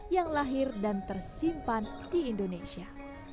yang lahir dan tersimpan di indonesia